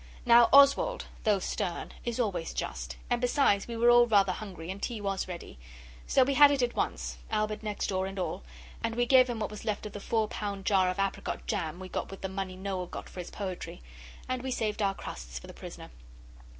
Now Oswald, though stern, is always just, and besides we were all rather hungry, and tea was ready. So we had it at once, Albert next door and all and we gave him what was left of the four pound jar of apricot jam we got with the money Noel got for his poetry. And we saved our crusts for the prisoner.